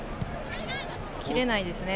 切れないですね